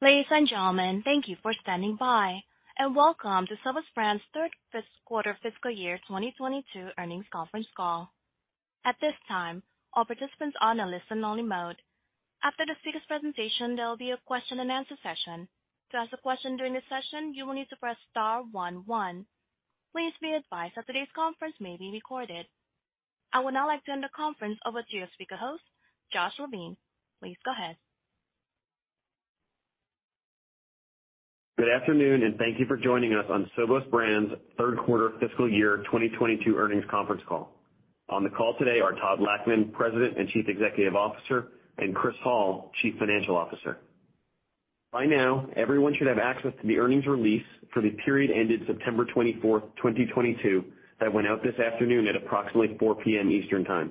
Ladies and gentlemen, thank you for standing by, and welcome to Sovos Brands third quarter fiscal year 2022 earnings conference call. At this time, all participants are in a listen-only mode. After the speaker's presentation, there will be a question-and-answer session. To ask a question during this session, you will need to press star one one. Please be advised that today's conference may be recorded. I would now like to hand the conference over to your speaker host, Josh Levine. Please go ahead. Good afternoon, and thank you for joining us on Sovos Brands third quarter fiscal year 2022 earnings conference call. On the call today are Todd Lachman, President and Chief Executive Officer, and Chris Hall, Chief Financial Officer. By now, everyone should have access to the earnings release for the period ended September 24, 2022 that went out this afternoon at approximately 4:00 P.M. Eastern Time.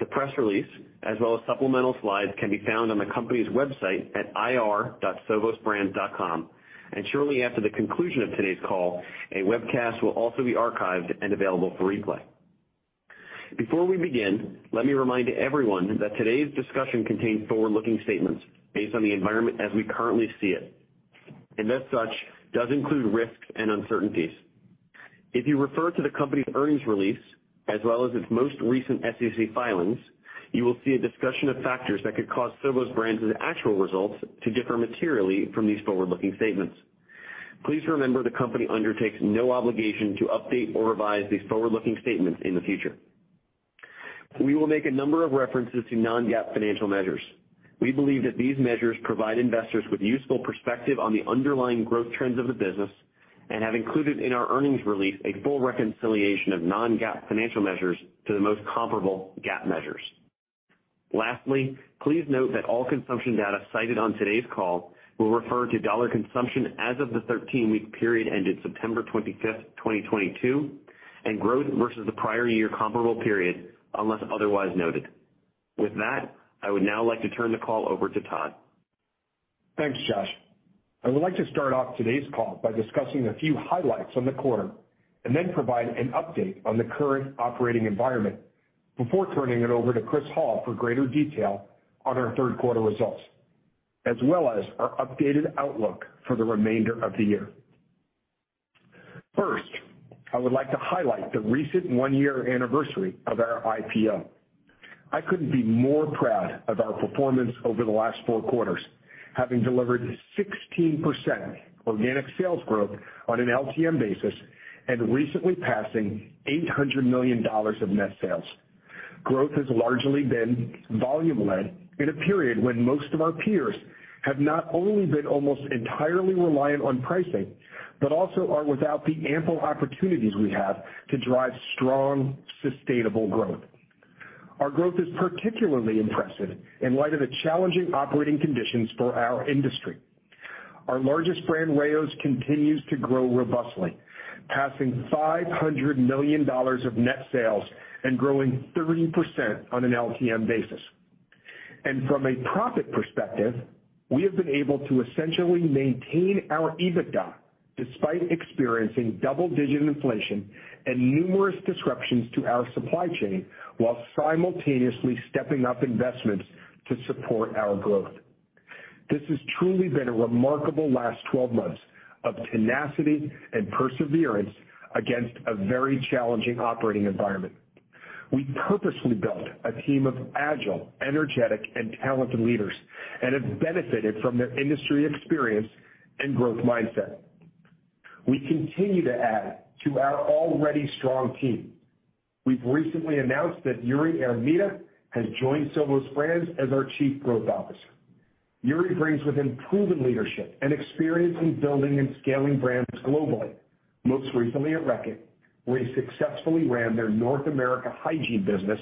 The press release, as well as supplemental slides, can be found on the company's website at ir.sovosbrands.com, and shortly after the conclusion of today's call, a webcast will also be archived and available for replay. Before we begin, let me remind everyone that today's discussion contains forward-looking statements based on the environment as we currently see it, and as such, does include risks and uncertainties. If you refer to the company's earnings release as well as its most recent SEC filings, you will see a discussion of factors that could cause Sovos Brands' actual results to differ materially from these forward-looking statements. Please remember the company undertakes no obligation to update or revise these forward-looking statements in the future. We will make a number of references to non-GAAP financial measures. We believe that these measures provide investors with useful perspective on the underlying growth trends of the business and have included in our earnings release a full reconciliation of non-GAAP financial measures to the most comparable GAAP measures. Lastly, please note that all consumption data cited on today's call will refer to dollar consumption as of the 13-week period ended September 25, 2022 and growth versus the prior year comparable period, unless otherwise noted. With that, I would now like to turn the call over to Todd. Thanks, Josh. I would like to start off today's call by discussing a few highlights on the quarter and then provide an update on the current operating environment before turning it over to Chris Hall for greater detail on our third quarter results, as well as our updated outlook for the remainder of the year. First, I would like to highlight the recent one-year anniversary of our IPO. I couldn't be more proud of our performance over the last four quarters, having delivered 16% organic sales growth on an LTM basis and recently passing $800 million of net sales. Growth has largely been volume-led in a period when most of our peers have not only been almost entirely reliant on pricing, but also are without the ample opportunities we have to drive strong, sustainable growth. Our growth is particularly impressive in light of the challenging operating conditions for our industry. Our largest brand, Rao's, continues to grow robustly, passing $500 million of net sales and growing 30% on an LTM basis. From a profit perspective, we have been able to essentially maintain our EBITDA despite experiencing double-digit inflation and numerous disruptions to our supply chain while simultaneously stepping up investments to support our growth. This has truly been a remarkable last 12 months of tenacity and perseverance against a very challenging operating environment. We purposely built a team of agile, energetic, and talented leaders and have benefited from their industry experience and growth mindset. We continue to add to our already strong team. We've recently announced that Yuri Hermida has joined Sovos Brands as our Chief Growth Officer. Yuri brings with him proven leadership and experience in building and scaling brands globally, most recently at Reckitt, where he successfully ran their North America hygiene business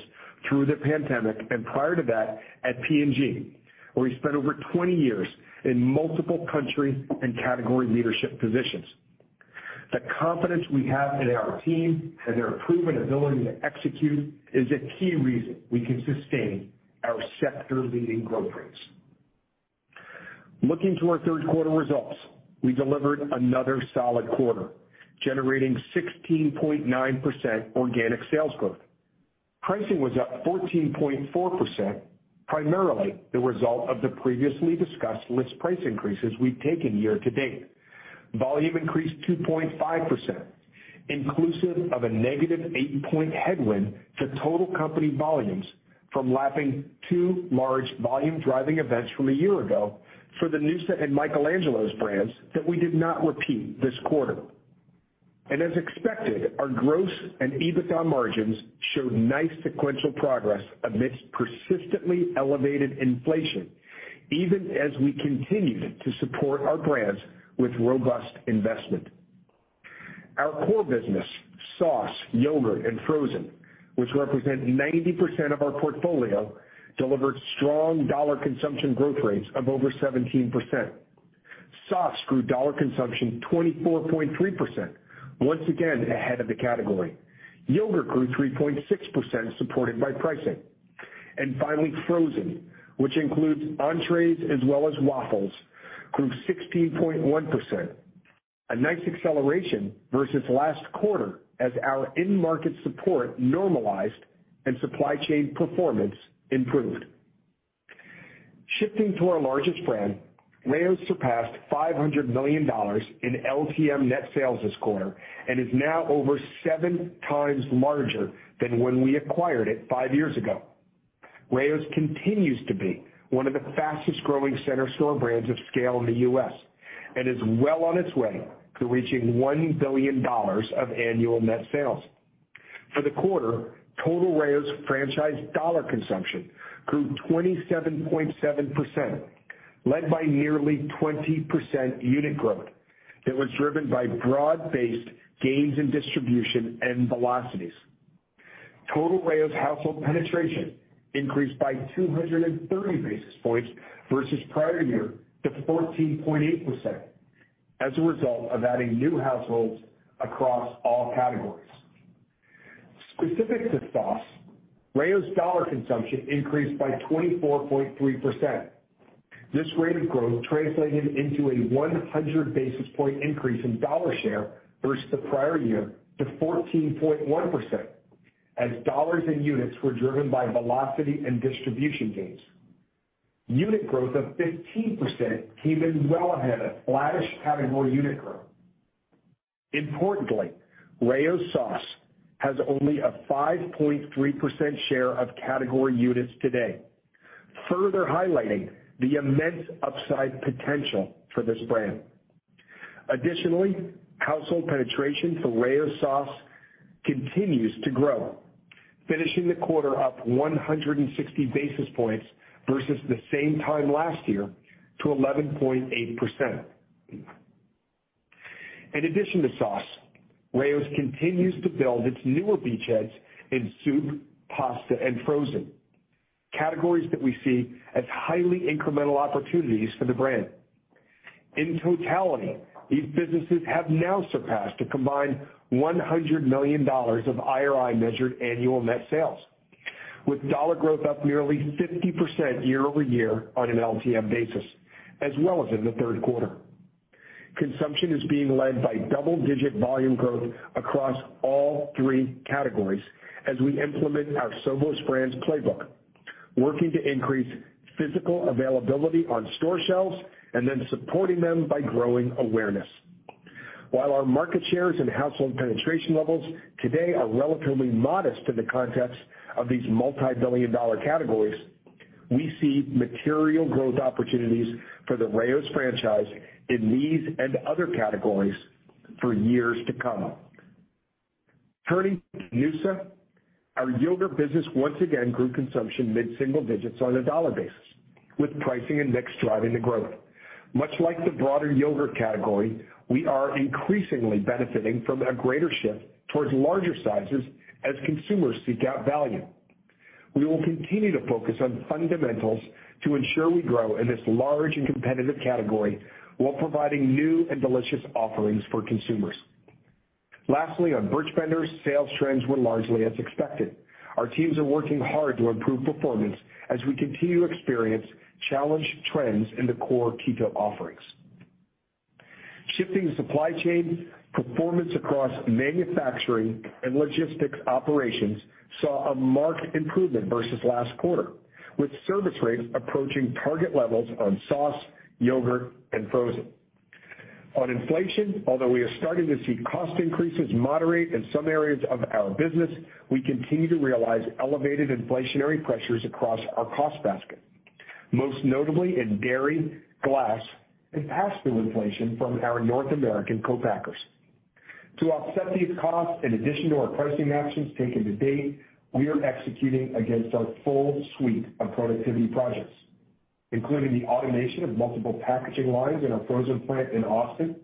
through the pandemic, and prior to that at P&G, where he spent over 20 years in multiple country and category leadership positions. The confidence we have in our team and their proven ability to execute is a key reason we can sustain our sector-leading growth rates. Looking to our third quarter results, we delivered another solid quarter, generating 16.9% organic sales growth. Pricing was up 14.4%, primarily the result of the previously discussed list price increases we've taken year to date. Volume increased 2.5%, inclusive of a negative eight-point headwind to total company volumes from lapping two large volume driving events from a year ago for the Noosa and Michael Angelo's brands that we did not repeat this quarter. As expected, our gross and EBITDA margins showed nice sequential progress amidst persistently elevated inflation, even as we continued to support our brands with robust investment. Our core business, sauce, yogurt, and frozen, which represent 90% of our portfolio, delivered strong dollar consumption growth rates of over 17%. Sauce grew dollar consumption 24.3%, once again ahead of the category. Yogurt grew 3.6%, supported by pricing. Finally, frozen, which includes entrees as well as waffles, grew 16.1%. A nice acceleration versus last quarter as our end market support normalized and supply chain performance improved. Shifting to our largest brand, Rao's surpassed $500 million in LTM net sales this quarter and is now over seven times larger than when we acquired it five years ago. Rao's continues to be one of the fastest-growing center store brands of scale in the U.S. and is well on its way to reaching $1 billion of annual net sales. For the quarter, total Rao's franchise dollar consumption grew 27.7%, led by nearly 20% unit growth that was driven by broad-based gains in distribution and velocities. Total Rao's household penetration increased by 230 basis points versus prior year to 14.8% as a result of adding new households across all categories. Specific to sauce, Rao's dollar consumption increased by 24.3%. This rate of growth translated into a 100 basis point increase in dollar share versus the prior year to 14.1% as dollars in units were driven by velocity and distribution gains. Unit growth of 15% came in well ahead of flattish category unit growth. Importantly, Rao's sauce has only a 5.3% share of category units today, further highlighting the immense upside potential for this brand. Additionally, household penetration for Rao's sauce continues to grow, finishing the quarter up 160 basis points versus the same time last year to 11.8%. In addition to sauce, Rao's continues to build its newer beachheads in soup, pasta, and frozen, categories that we see as highly incremental opportunities for the brand. In totality, these businesses have now surpassed a combined $100 million of IRI-measured annual net sales, with dollar growth up nearly 50% year-over-year on an LTM basis, as well as in the third quarter. Consumption is being led by double-digit volume growth across all three categories as we implement our Sovos brands playbook, working to increase physical availability on store shelves and then supporting them by growing awareness. While our market shares and household penetration levels today are relatively modest in the context of these multi-billion-dollar categories, we see material growth opportunities for the Rao's franchise in these and other categories for years to come. Turning to Noosa, our yogurt business once again grew consumption mid-single digits on a dollar basis, with pricing and mix driving the growth. Much like the broader yogurt category, we are increasingly benefiting from a greater shift towards larger sizes as consumers seek out value. We will continue to focus on fundamentals to ensure we grow in this large and competitive category while providing new and delicious offerings for consumers. Lastly, on Birch Benders, sales trends were largely as expected. Our teams are working hard to improve performance as we continue to experience challenged trends in the core keto offerings. Shifting supply chain performance across manufacturing and logistics operations saw a marked improvement versus last quarter, with service rates approaching target levels on sauce, yogurt, and frozen. On inflation, although we are starting to see cost increases moderate in some areas of our business, we continue to realize elevated inflationary pressures across our cost basket, most notably in dairy, glass, and pass-through inflation from our North American co-packers. To offset these costs, in addition to our pricing actions taken to date, we are executing against our full suite of productivity projects, including the automation of multiple packaging lines in our frozen plant in Austin,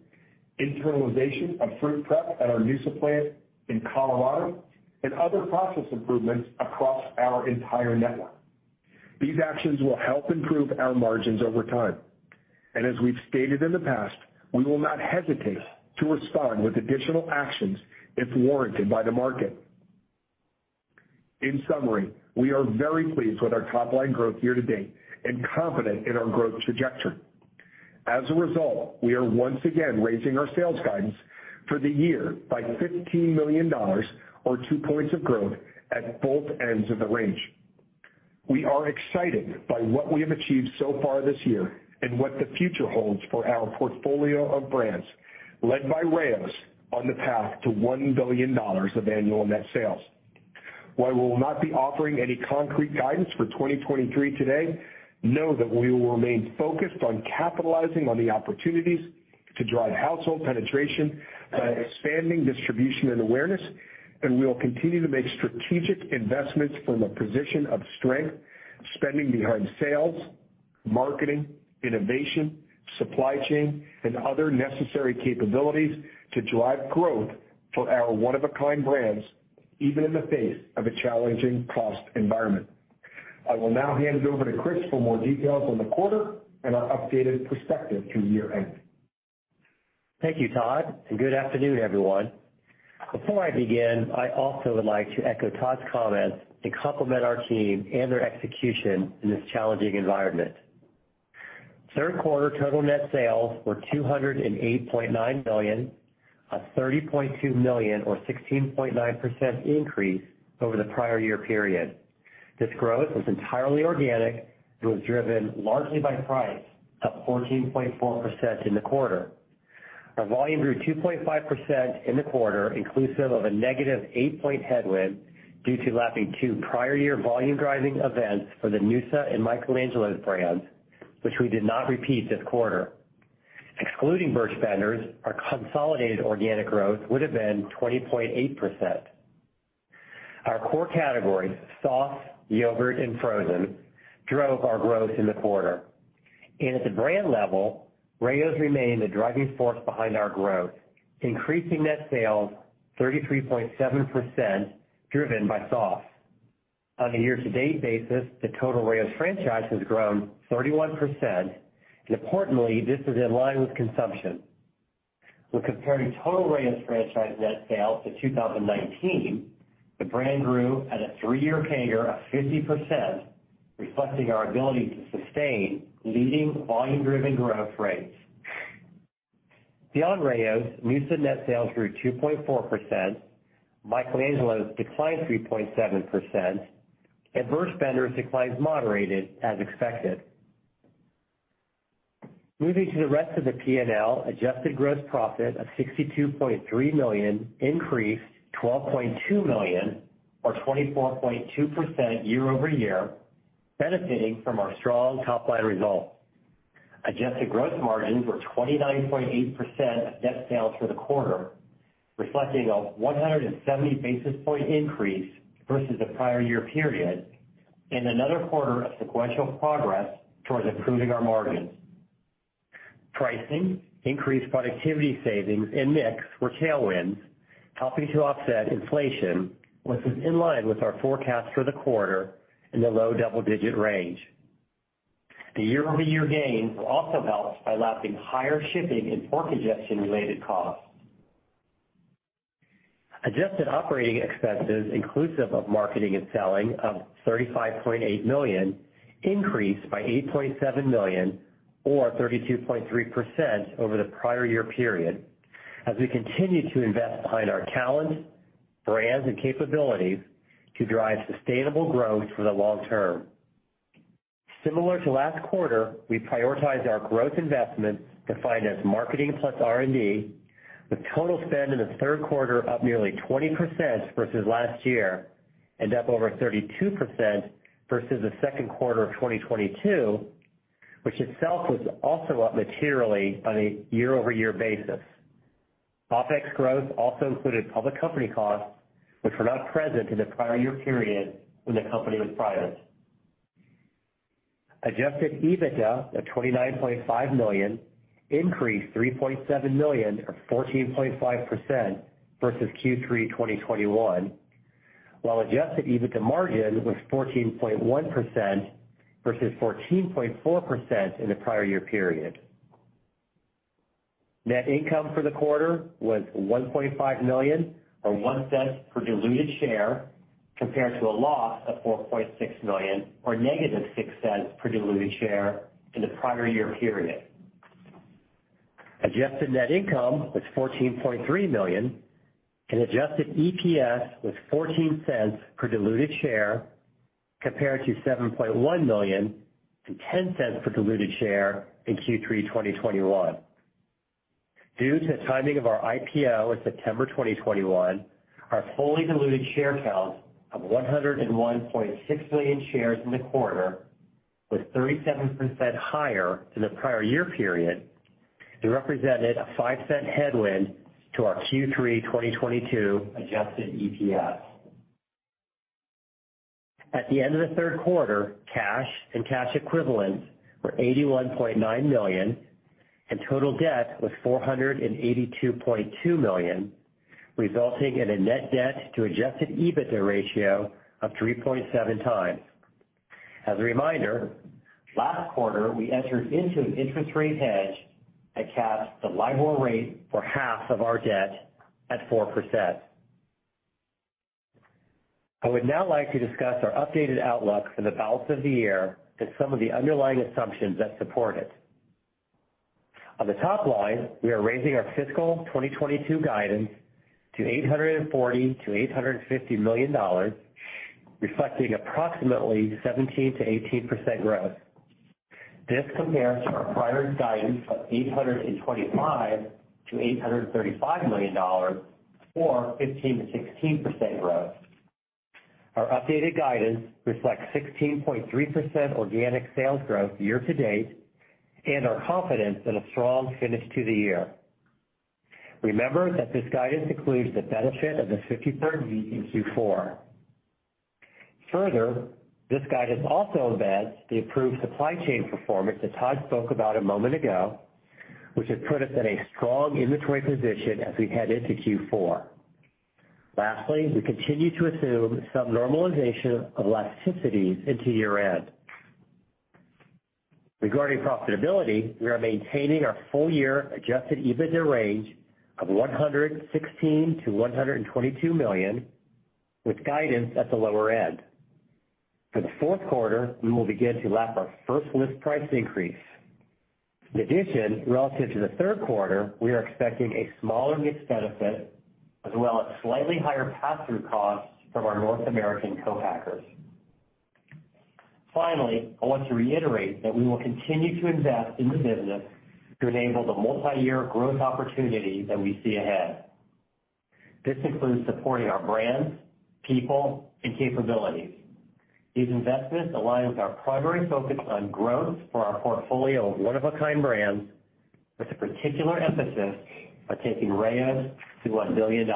internalization of fruit prep at our Noosa plant in Colorado, and other process improvements across our entire network. These actions will help improve our margins over time. As we've stated in the past, we will not hesitate to respond with additional actions if warranted by the market. In summary, we are very pleased with our top-line growth year to date and confident in our growth trajectory. As a result, we are once again raising our sales guidance for the year by $15 million or two points of growth at both ends of the range. We are excited by what we have achieved so far this year and what the future holds for our portfolio of brands, led by Rao's on the path to $1 billion of annual net sales. While we will not be offering any concrete guidance for 2023 today, know that we will remain focused on capitalizing on the opportunities to drive household penetration by expanding distribution and awareness, and we will continue to make strategic investments from a position of strength, spending behind sales, marketing, innovation, supply chain, and other necessary capabilities to drive growth for our one-of-a-kind brands, even in the face of a challenging cost environment. I will now hand it over to Chris for more details on the quarter and our updated perspective through year-end. Thank you, Todd, and good afternoon, everyone. Before I begin, I also would like to echo Todd's comments and compliment our team and their execution in this challenging environment. Third quarter total net sales were $208.9 million, a $30.2 million or 16.9% increase over the prior year period. This growth was entirely organic and was driven largely by price, up 14.4% in the quarter. Our volume grew 2.5% in the quarter, inclusive of a negative eight point headwind due to lapping two prior year volume driving events for the noosa and Michael Angelo's brands, which we did not repeat this quarter. Excluding Birch Benders, our consolidated organic growth would have been 20.8%. Our core categories, sauces, yogurt, and frozen, drove our growth in the quarter. At the brand level, Rao's remained the driving force behind our growth, increasing net sales 33.7% driven by volume. On a year-to-date basis, the total Rao's franchise has grown 31%, and importantly, this is in line with consumption. When comparing total Rao's franchise net sales to 2019, the brand grew at a three-year CAGR of 50%, reflecting our ability to sustain leading volume-driven growth rates. Beyond Rao's, Noosa net sales grew 2.4%, Michael Angelo's declined 3.7%, and Birch Benders declines moderated as expected. Moving to the rest of the P&L, adjusted gross profit of $62.3 million increased $12.2 million or 24.2% year-over-year, benefiting from our strong top line results. Adjusted gross margins were 29.8% of net sales for the quarter, reflecting a 170 basis point increase versus the prior year period and another quarter of sequential progress towards improving our margins. Pricing, increased productivity savings, and mix were tailwinds, helping to offset inflation, which was in line with our forecast for the quarter in the low double-digit range. The year-over-year gains were also helped by lapping higher shipping and port congestion related costs. Adjusted operating expenses inclusive of marketing and selling of $35.8 million increased by $8.7 million or 32.3% over the prior year period as we continue to invest behind our talent, brands, and capabilities to drive sustainable growth for the long term. Similar to last quarter, we prioritized our growth investments, defined as marketing plus R&D, with total spend in the third quarter up nearly 20% versus last year and up over 32% versus the second quarter of 2022, which itself was also up materially on a year-over-year basis. OpEx growth also included public company costs which were not present in the prior year period when the company was private. Adjusted EBITDA of $29.5 million increased $3.7 million or 14.5% versus Q3 2021, while Adjusted EBITDA margin was 14.1% versus 14.4% in the prior year period. Net income for the quarter was $1.5 million or $0.01 per diluted share, compared to a loss of $4.6 million or -$0.06 per diluted share in the prior year period. Adjusted net income was $14.3 million and Adjusted EPS was $0.14 per diluted share, compared to $7.1 million and $0.10 per diluted share in Q3 2021. Due to the timing of our IPO in September 2021, our fully diluted share count of 101.6 million shares in the quarter was 37% higher than the prior year period and represented a $0.05 headwind to our Q3 2022 Adjusted EPS. At the end of the third quarter, cash and cash equivalents were $81.9 million, and total debt was $482.2 million, resulting in a net debt to Adjusted EBITDA ratio of 3.7 times. As a reminder, last quarter, we entered into an interest rate hedge that caps the LIBOR rate for half of our debt at 4%. I would now like to discuss our updated outlook for the balance of the year and some of the underlying assumptions that support it. On the top line, we are raising our fiscal 2022 guidance to $840 million-$850 million, reflecting approximately 17%-18% growth. This compares to our prior guidance of $825 million-$835 million or 15%-16% growth. Our updated guidance reflects 16.3% organic sales growth year to date and our confidence in a strong finish to the year. Remember that this guidance includes the benefit of the 53rd week in Q4. Further, this guidance also embeds the improved supply chain performance that Todd spoke about a moment ago, which has put us in a strong inventory position as we head into Q4. Lastly, we continue to assume some normalization of elasticities into year-end. Regarding profitability, we are maintaining our full year Adjusted EBITDA range of $116 million-$122 million, with guidance at the lower end. For the fourth quarter, we will begin to lap our first list price increase. In addition, relative to the third quarter, we are expecting a smaller mix benefit as well as slightly higher pass-through costs from our North American co-packers. Finally, I want to reiterate that we will continue to invest in the business to enable the multiyear growth opportunity that we see ahead. This includes supporting our brands, people, and capabilities. These investments align with our primary focus on growth for our portfolio of one-of-a-kind brands, with a particular emphasis on taking Rao's to $1 billion.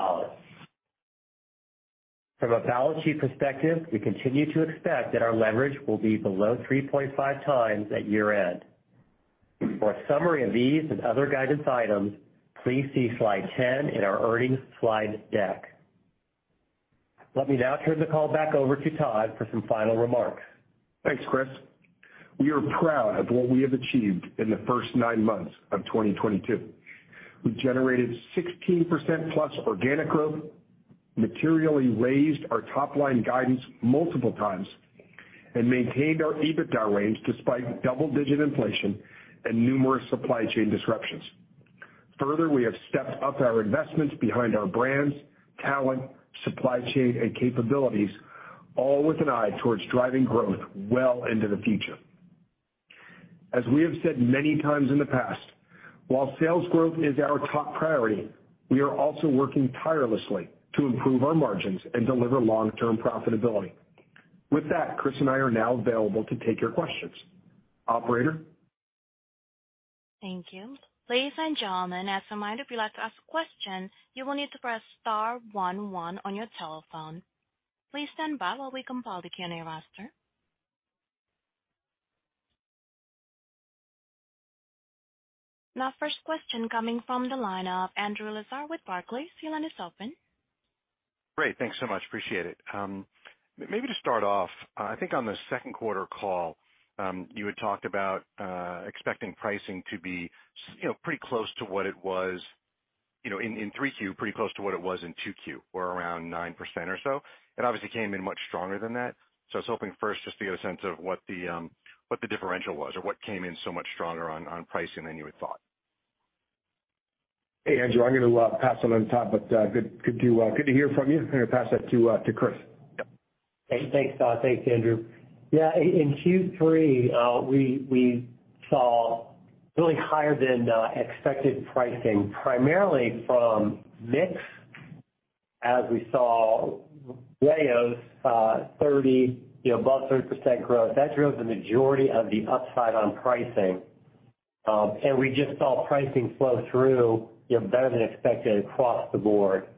From a balance sheet perspective, we continue to expect that our leverage will be below 3.5 times at year-end. For a summary of these and other guidance items, please see slide 10 in our earnings slide deck. Let me now turn the call back over to Todd for some final remarks. Thanks, Chris. We are proud of what we have achieved in the first nine months of 2022. We've generated 16%+ organic growth, materially raised our top-line guidance multiple times, and maintained our EBITDA range despite double-digit inflation and numerous supply chain disruptions. Further, we have stepped up our investments behind our brands, talent, supply chain, and capabilities, all with an eye towards driving growth well into the future. As we have said many times in the past, while sales growth is our top priority, we are also working tirelessly to improve our margins and deliver long-term profitability. With that, Chris and I are now available to take your questions. Operator? Thank you. Ladies and gentlemen, as a reminder, if you'd like to ask a question, you will need to press star one one on your telephone. Please stand by while we compile the Q&A roster. Our first question coming from the line of Andrew Lazar with Barclays. Your line is open. Great. Thanks so much. Appreciate it. Maybe to start off, I think on the second quarter call, you had talked about expecting pricing to be you know, pretty close to what it was, you know, in three Q, pretty close to what it was in two Q, or around 9% or so. It obviously came in much stronger than that. I was hoping first just to get a sense of what the what the differential was or what came in so much stronger on pricing than you had thought. Hey, Andrew. I'm gonna pass it on to Todd, but good to hear from you. I'm gonna pass that to Chris. Thanks, Todd. Thanks, Andrew. Yeah, in Q3, we saw really higher than expected pricing, primarily from mix as we saw Rao's thirty, you know, above 30% growth. That drove the majority of the upside on pricing. We just saw pricing flow through, you know, better than expected across the board.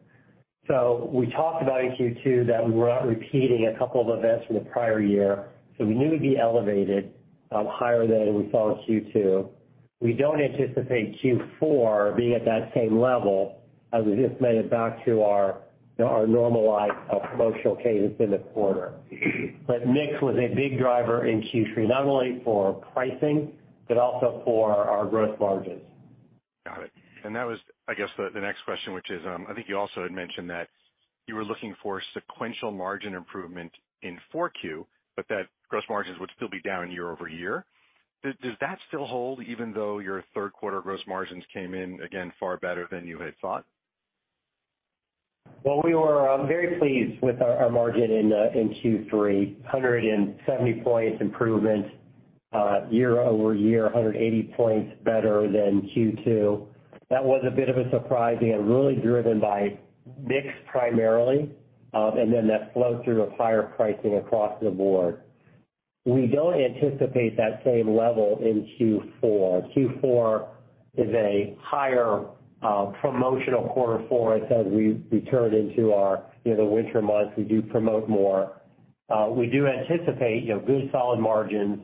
We talked about in Q2 that we were not repeating a couple of events from the prior year, so we knew it'd be elevated, higher than what we saw in Q2. We don't anticipate Q4 being at that same level as we just made it back to our, you know, normalized promotional cadence in the quarter. Mix was a big driver in Q3, not only for pricing, but also for our gross margins. Got it. That was, I guess, the next question, which is, I think you also had mentioned that you were looking for sequential margin improvement in Q4, but that gross margins would still be down year-over-year. Does that still hold even though your third quarter gross margins came in, again, far better than you had thought? Well, we were very pleased with our margin in Q3. 170 points improvement year-over-year, 180 points better than Q2. That was a bit of a surprise and really driven by mix primarily, and then that flow through of higher pricing across the board. We don't anticipate that same level in Q4. Q4 is a higher promotional quarter for us as we turn into our, you know, the winter months, we do promote more. We do anticipate, you know, good, solid margins,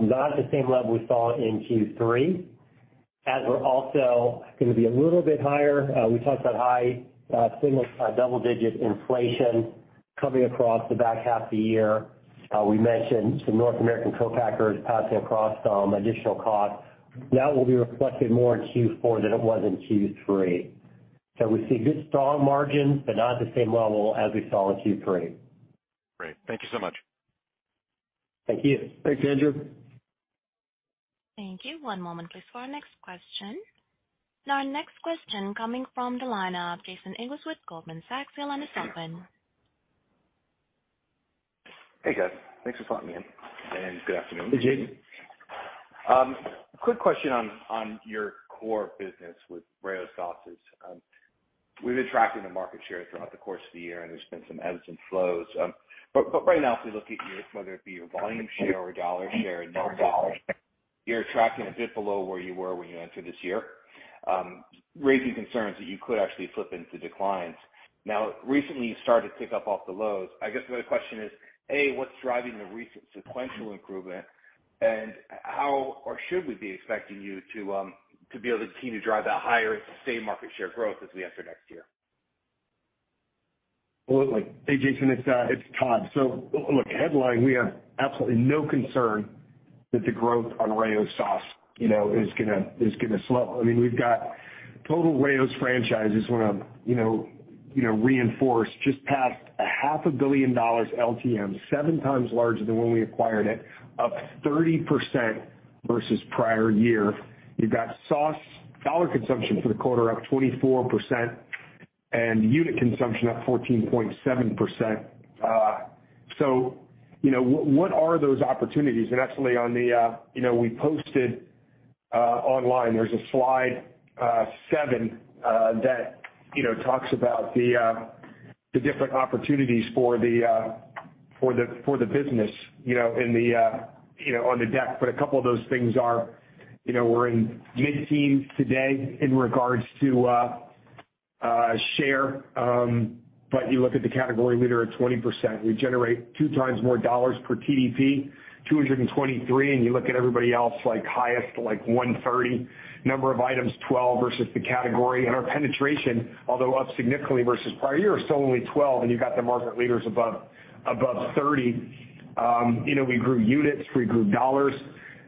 not at the same level we saw in Q3, as we're also gonna be a little bit higher. We talked about high single double-digit inflation coming across the back half of the year. We mentioned some North American co-packers passing on some additional costs. That will be reflected more in Q4 than it was in Q3. We see good, strong margins, but not at the same level as we saw in Q3. Great. Thank you so much. Thank you. Thanks, Andrew. Thank you. One moment, please, for our next question. Now our next question coming from the line of Jason English with Goldman Sachs. Your line is open. Hey, guys. Thanks for letting me in, and good afternoon. Hey, Jason. Quick question on your core business with Rao's sauces. We've been tracking the market share throughout the course of the year, and there's been some ebbs and flows. But right now, if we look at your, whether it be your volume share or dollar share in net dollars, you're tracking a bit below where you were when you entered this year, raising concerns that you could actually flip into declines. Now, recently, you started to tick up off the lows. I guess my question is, A, what's driving the recent sequential improvement, and how or should we be expecting you to be able to continue to drive that higher same market share growth as we enter next year? Well, look, hey, Jason, it's Todd. Look, headline, we have absolutely no concern that the growth on Rao's sauce, you know, is gonna slow. I mean, we've got total Rao's franchises we wanna, you know, reinforce, just passed half a billion dollars LTM, seven times larger than when we acquired it, up 30% versus prior year. You've got sauce dollar consumption for the quarter up 24% and unit consumption up 14.7%. So you know, what are those opportunities? Actually, we posted online, there's a slide seven that, you know, talks about the different opportunities for the business, you know, on the deck. A couple of those things are, you know, we're in mid-teens today in regards to share. You look at the category leader at 20%, we generate two times more dollars per TDP, $223, and you look at everybody else like highest to like $130. Number of items, 12 versus the category. Our penetration, although up significantly versus prior year, is still only 12%, and you've got the market leaders above 30%. You know, we grew units, we grew dollars.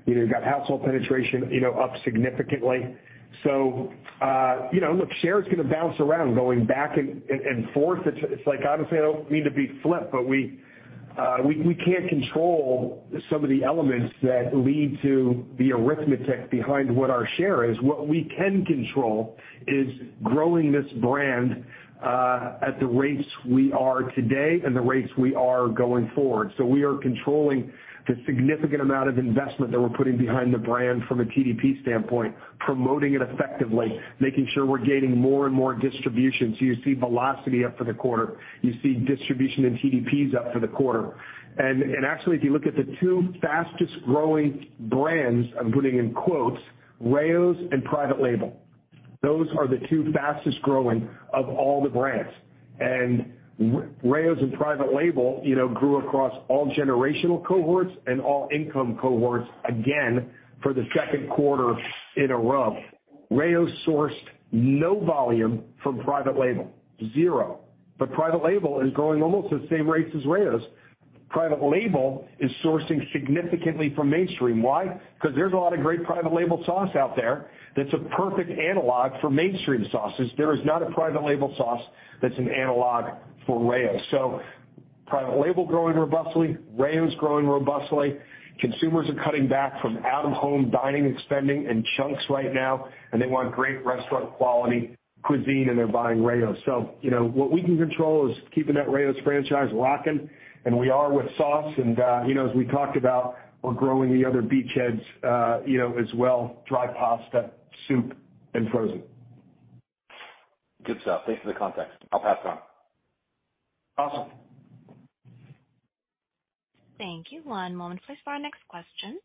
You know, you got household penetration up significantly. You know, look, share is gonna bounce around going back and forth. It's like, honestly, I don't mean to be flip, but we can't control some of the elements that lead to the arithmetic behind what our share is. What we can control is growing this brand at the rates we are today and the rates we are going forward. We are controlling the significant amount of investment that we're putting behind the brand from a TDP standpoint, promoting it effectively, making sure we're gaining more and more distribution. You see velocity up for the quarter. You see distribution and TDPs up for the quarter. Actually, if you look at the two fastest-growing brands, I'm putting in quotes, Rao's and private label. Those are the two fastest growing of all the brands. Rao's and private label, you know, grew across all generational cohorts and all income cohorts, again, for the second quarter in a row. Rao's sourced no volume from private label, zero. Private label is growing almost at the same rates as Rao's. Private label is sourcing significantly from mainstream. Why? 'Cause there's a lot of great private label sauce out there that's a perfect analog for mainstream sauces. There is not a private label sauce that's an analog for Rao's. Private label growing robustly, Rao's growing robustly. Consumers are cutting back from out of home dining and spending in chunks right now, and they want great restaurant quality cuisine and they're buying Rao's. You know, what we can control is keeping that Rao's franchise rocking, and we are with sauce. You know, as we talked about, we're growing the other beachheads, you know, as well, dry pasta, soup and frozen. Good stuff. Thanks for the context. I'll pass it on. Awesome. Thank you. One moment please for our next question.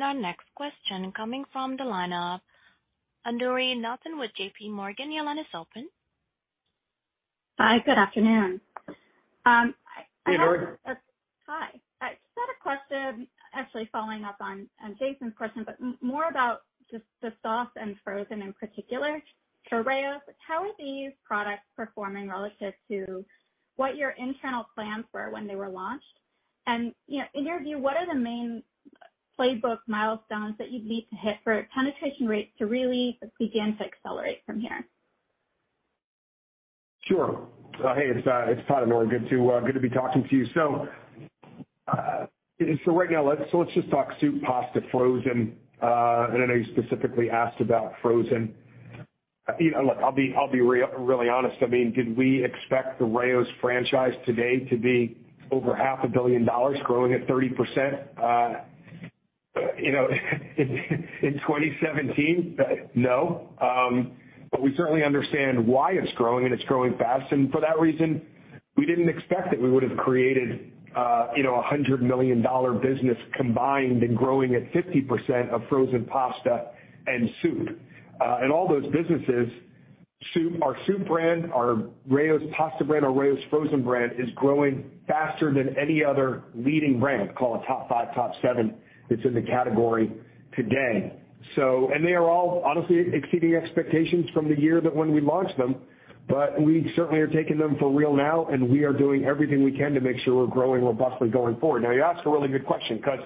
Our next question coming from the line of Dara Mohsenian with J.P. Morgan. Your line is open. Hi, good afternoon. I have- Hey, Dara. Hi. I just had a question actually following up on Jason's question, but more about just the sauce and frozen in particular for Rao's. How are these products performing relative to what your internal plans were when they were launched? You know, in your view, what are the main playbook milestones that you'd need to hit for penetration rates to really begin to accelerate from here? Sure. Hey, it's Todd, Dara. Good to be talking to you. Right now let's just talk soup, pasta, frozen. I know you specifically asked about frozen. You know, look, I'll be really honest. I mean, did we expect the Rao's franchise today to be over half a billion dollars growing at 30%, you know, in 2017? No. But we certainly understand why it's growing and it's growing fast. For that reason, we didn't expect that we would have created, you know, a $100 million-dollar business combined and growing at 50% of frozen pasta and soup. All those businesses, soup, our soup brand, our Rao's pasta brand, our Rao's frozen brand is growing faster than any other leading brand, call it top five, top seven that's in the category today. They are all honestly exceeding expectations from the year that when we launched them. But we certainly are taking them for real now and we are doing everything we can to make sure we're growing robustly going forward. Now you asked a really good question 'cause,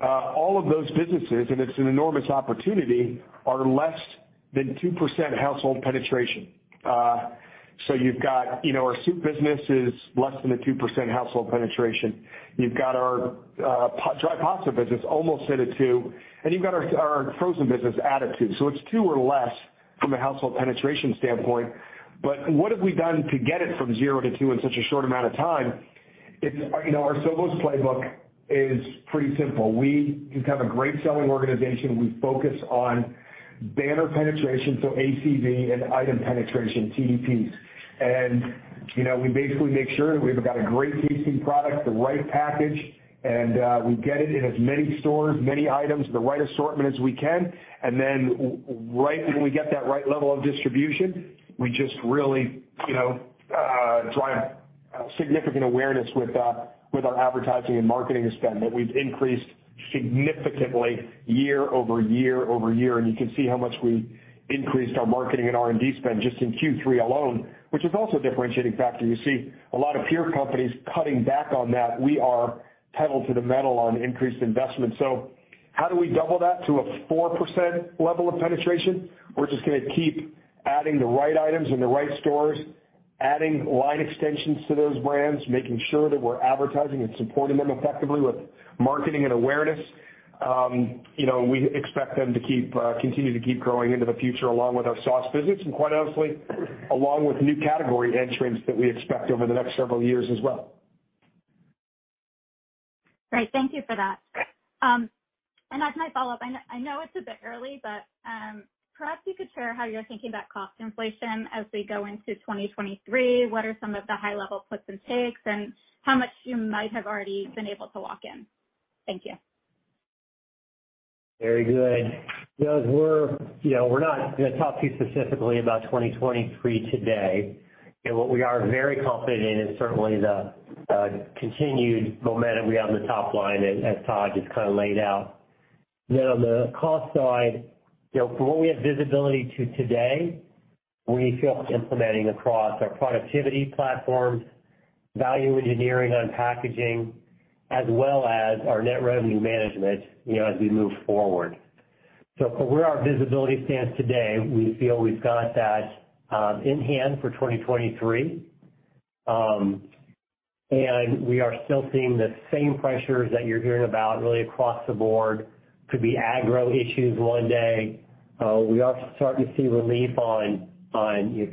all of those businesses, and it's an enormous opportunity, are less than 2% household penetration. So you've got, you know, our soup business is less than a 2% household penetration. You've got our, dry pasta business almost at a two, and you've got our frozen business add it to. It's two or less from a household penetration standpoint, but what have we done to get it from zero to two in such a short amount of time? It's, you know, our Sovos playbook is pretty simple. We just have a great selling organization. We focus on banner penetration, so ACV and item penetration, TDPs. You know, we basically make sure that we've got a great tasting product, the right package, and we get it in as many stores, many items, the right assortment as we can. While we get that right level of distribution, we just really, you know, drive significant awareness with our advertising and marketing spend that we've increased significantly year over year over year. You can see how much we increased our marketing and R&D spend just in Q3 alone, which is also a differentiating factor. You see a lot of peer companies cutting back on that. We are pedal to the metal on increased investment. How do we double that to a 4% level of penetration? We're just gonna keep adding the right items in the right stores, adding line extensions to those brands, making sure that we're advertising and supporting them effectively with marketing and awareness. You know, we expect them to continue to keep growing into the future, along with our sauce business, and quite honestly, along with new category entrants that we expect over the next several years as well. Great. Thank you for that. And as my follow-up, I know it's a bit early, but perhaps you could share how you're thinking about cost inflation as we go into 2023. What are some of the high level puts and takes, and how much you might have already been able to lock in? Thank you. Very good. You know, we're not gonna talk to you specifically about 2023 today. What we are very confident in is certainly the continued momentum we have on the top line as Todd just kinda laid out. On the cost side, you know, from what we have visibility to today, we feel implementing across our productivity platforms, value engineering on packaging, as well as our Net Revenue Management, you know, as we move forward. From where our visibility stands today, we feel we've got that in hand for 2023. We are still seeing the same pressures that you're hearing about really across the board, could be ag issues one day. We are starting to see relief on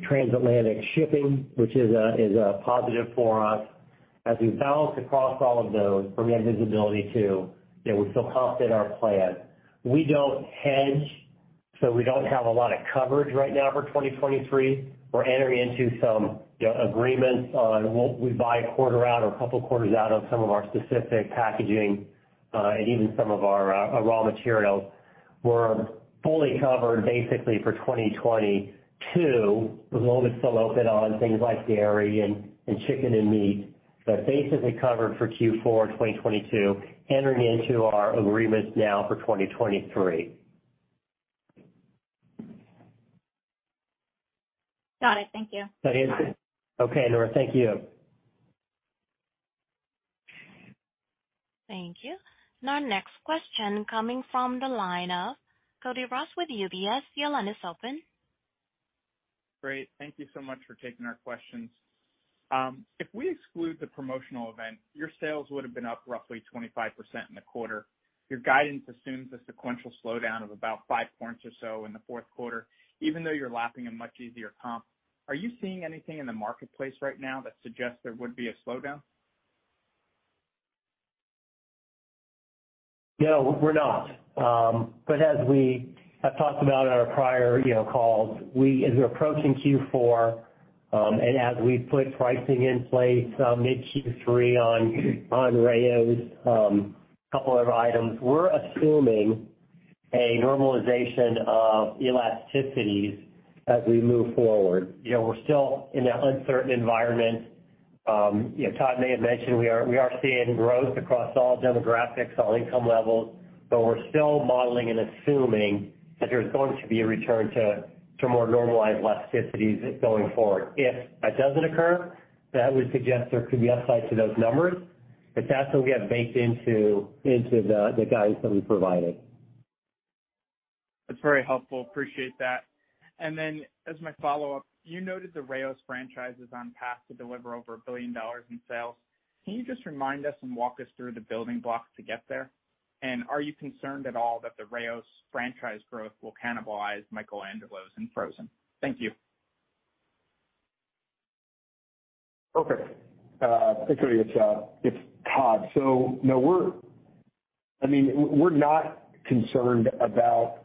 transatlantic shipping, which is a positive for us. As we balance across all of those, from we have visibility to, you know, we feel confident in our plan. We don't hedge, so we don't have a lot of coverage right now for 2023. We're entering into some, you know, agreements on what we buy a quarter out or a couple quarters out of some of our specific packaging, and even some of our raw materials. We're fully covered basically for 2022. There's a little bit still open on things like dairy and chicken and meat, but basically covered for Q4 2022, entering into our agreements now for 2023. Got it. Thank you. Got it. Okay, Laura, thank you. Thank you. Now, next question coming from the line of Cody Ross with UBS. Your line is open. Great. Thank you so much for taking our questions. If we exclude the promotional event, your sales would've been up roughly 25% in the quarter. Your guidance assumes a sequential slowdown of about five points or so in the fourth quarter, even though you're lapping a much easier comp. Are you seeing anything in the marketplace right now that suggests there would be a slowdown? No, we're not. As we have talked about on our prior, you know, calls, as we're approaching Q4, and as we put pricing in place, mid Q3 on Rao's, couple other items, we're assuming a normalization of elasticities as we move forward. You know, we're still in an uncertain environment. You know, Todd may have mentioned we are seeing growth across all demographics, all income levels, but we're still modeling and assuming that there's going to be a return to more normalized elasticities going forward. If that doesn't occur, that would suggest there could be upside to those numbers, but that's what we have baked into the guidance that we provided. That's very helpful. Appreciate that. Then as my follow-up, you noted the Rao's franchise is on path to deliver over $1 billion in sales. Can you just remind us and walk us through the building blocks to get there? Are you concerned at all that the Rao's franchise growth will cannibalize Michael Angelo's and frozen? Thank you. Okay. Cody, it's Todd. No, I mean, we're not concerned about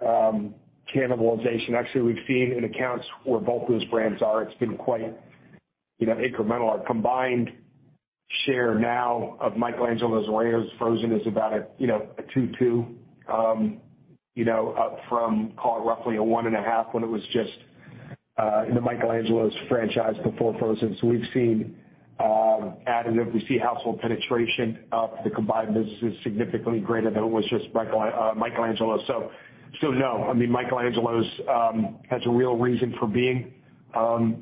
cannibalization. Actually, we've seen in accounts where both those brands are, it's been quite, you know, incremental. Our combined share now of Michael Angelo's, Rao's, frozen is about 2.2, up from call it roughly 1.5 when it was just in the Michael Angelo's franchise before frozen. We've seen additive, we see household penetration of the combined business is significantly greater than it was just Michael Angelo's. No, I mean, Michael Angelo's has a real reason for being,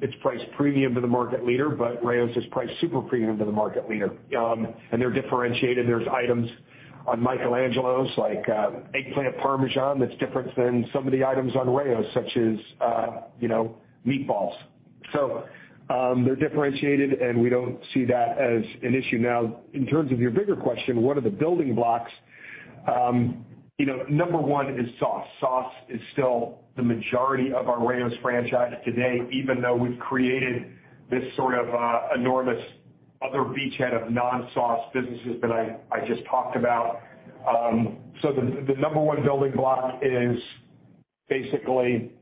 it's priced premium to the market leader, but Rao's is priced super premium to the market leader. They're differentiated. There are items on Michael Angelo's like, eggplant parmesan that's different than some of the items on Rao's such as, you know, meatballs. They're differentiated, and we don't see that as an issue. Now, in terms of your bigger question, what are the building blocks? You know, number one is sauce. Sauce is still the majority of our Rao's franchise today, even though we've created this sort of enormous other beachhead of non-sauce businesses that I just talked about. The number one building block is basically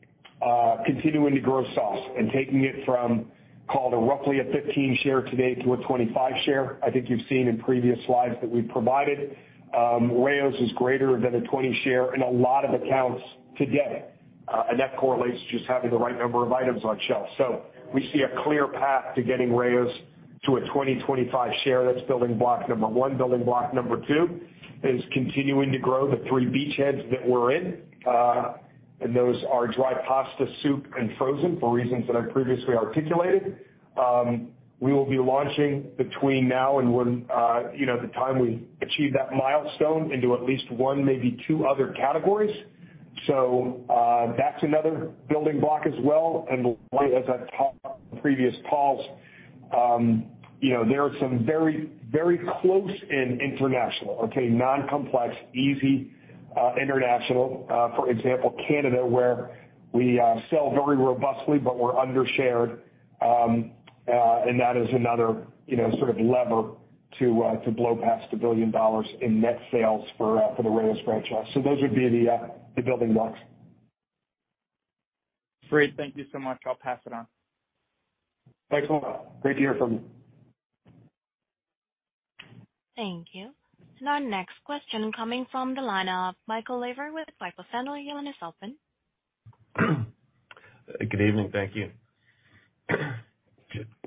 continuing to grow sauce and taking it from call it a roughly a 15% share today to a 25% share. I think you've seen in previous slides that we've provided. Rao's is greater than a 20% share in a lot of accounts today. That correlates just having the right number of items on shelf. We see a clear path to getting Rao's to a 20-25% share. That's building block number one. Building block number two is continuing to grow the three beachheads that we're in, and those are dry pasta, soup, and frozen, for reasons that I've previously articulated. We will be launching between now and when, you know, the time we achieve that milestone into at least one, maybe two other categories. That's another building block as well. As I've talked on previous calls, you know, there are some very close in international, okay, non-complex, easy international, for example, Canada, where we sell very robustly, but we're under-shared. That is another, you know, sort of lever to blow past $1 billion in net sales for the Rao's franchise. Those would be the building blocks. Great. Thank you so much. I'll pass it on. Thanks a lot. Great to hear from you. Thank you. Our next question coming from the line of Michael Lavery with. Your line is open. Good evening. Thank you.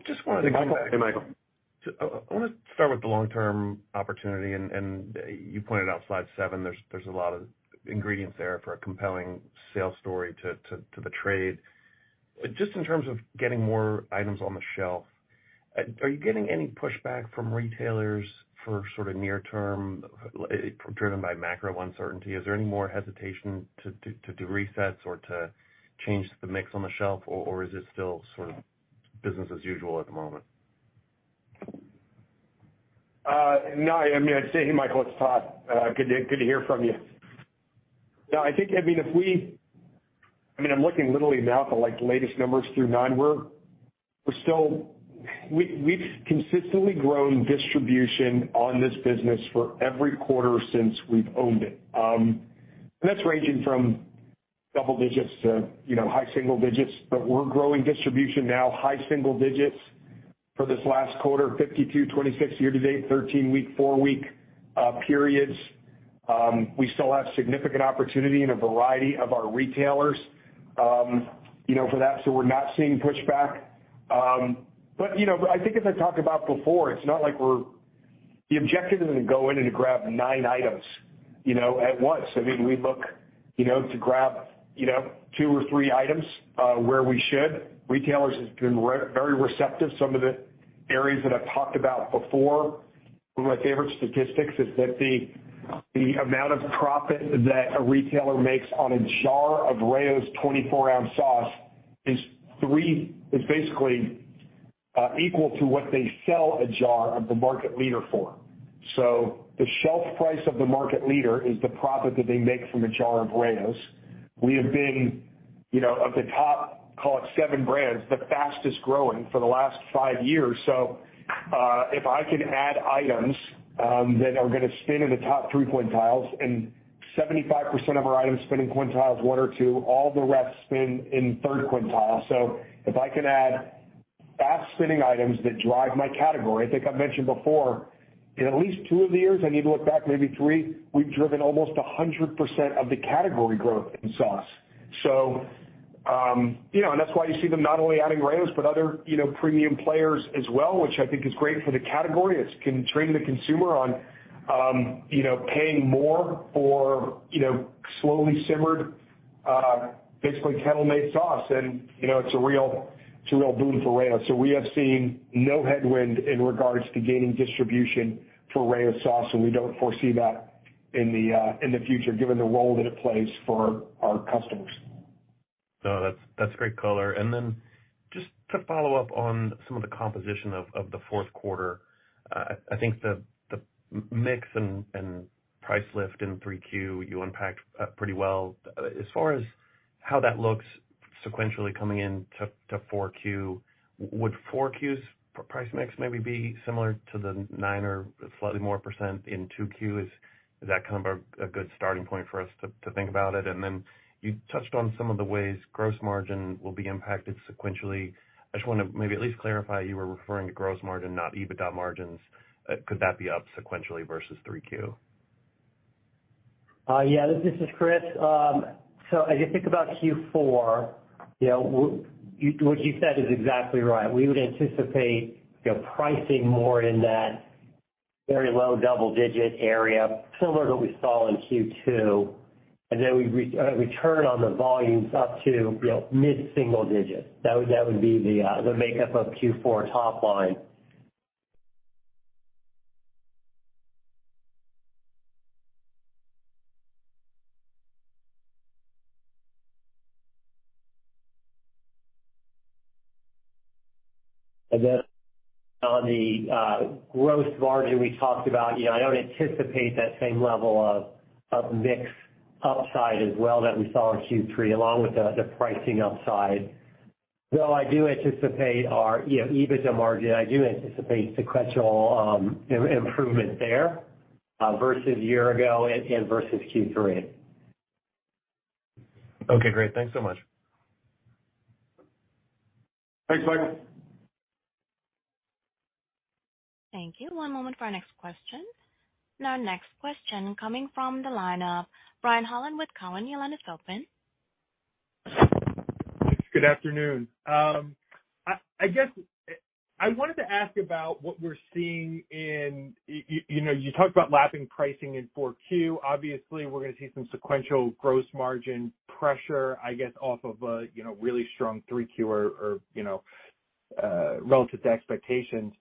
Just wanted to come back. Hey, Michael. I wanna start with the long-term opportunity, and you pointed out slide seven, there's a lot of ingredients there for a compelling sales story to the trade. Just in terms of getting more items on the shelf, are you getting any pushback from retailers for sort of near-term driven by macro uncertainty? Is there any more hesitation to do resets or to change the mix on the shelf, or is it still sort of business as usual at the moment? No, I mean, I'd say, hey, Michael, it's Todd. Good to hear from you. No, I think, I mean, I'm looking literally now at the like latest numbers through nine. We're still. We've consistently grown distribution on this business for every quarter since we've owned it. That's ranging from double digits to, you know, high single digits. We're growing distribution now high single digits for this last quarter, 52 26 year-to-date, 13-week, four-week periods. We still have significant opportunity in a variety of our retailers, you know, for that, so we're not seeing pushback. You know, I think as I talked about before, it's not like we're. The objective isn't to go in and to grab 9 items, you know, at once. I mean, we look, you know, to grab, you know, two or three items where we should. Retailers have been very receptive. Some of the areas that I've talked about before, one of my favorite statistics is that the amount of profit that a retailer makes on a jar of Rao's 24-ounce sauce is basically equal to what they sell a jar of the market leader for. The shelf price of the market leader is the profit that they make from a jar of Rao's. We have been, you know, of the top, call it seven brands, the fastest growing for the last five years. If I can add items that are gonna spin in the top three quintiles and 75% of our items spin in quintiles one or two, all the rest spin in third quintile. If I can add fast spinning items that drive my category, I think I've mentioned before, in at least two of the years, I need to look back maybe three, we've driven almost 100% of the category growth in sauce. You know, and that's why you see them not only adding Rao's, but other, you know, premium players as well, which I think is great for the category. It can train the consumer on, you know, paying more for, you know, slowly simmered, basically kettle-made sauce. You know, it's a real boon for Rao's. We have seen no headwind in regards to gaining distribution for Rao's sauce, and we don't foresee that in the future, given the role that it plays for our customers. No, that's great color. Then just to follow up on some of the composition of the fourth quarter, I think the mix and price lift in 3Q you unpacked pretty well. As far as how that looks sequentially coming into 4Q, would 4Q's price mix maybe be similar to the 9% or slightly more in 2Q? Is that kind of a good starting point for us to think about it? You touched on some of the ways gross margin will be impacted sequentially. I just wanna maybe at least clarify, you were referring to gross margin, not EBITDA margins. Could that be up sequentially versus 3Q? This is Chris. As you think about Q4, you know, what you said is exactly right. We would anticipate, you know, pricing more in that very low double-digit area, similar to what we saw in Q2. Then we turn on the volumes up to, you know, mid-single digits. That would be the makeup of Q4 top line. Then on the gross margin we talked about, you know, I don't anticipate that same level of mix upside as well that we saw in Q3, along with the pricing upside. Though I do anticipate our EBITDA margin. I do anticipate sequential improvement there versus year ago and versus Q3. Okay, great. Thanks so much. Thanks, Michael. Thank you. One moment for our next question. Our next question coming from the line of Brian Holland with Cowen. Your line is open. Good afternoon. I guess I wanted to ask about what we're seeing in. You know, you talked about lapping pricing in 4Q. Obviously, we're gonna see some sequential gross margin pressure, I guess, off of a, you know, really strong 3Q or, you know, relative to expectations.